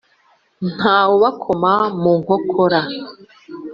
nta wubakoma mu nkokora